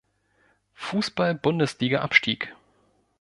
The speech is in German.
Fußball-Bundesliga abstieg.